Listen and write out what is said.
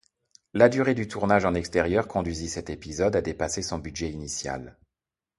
La durée du tournage en extérieur conduisit cet épisode à dépasser son budget initial.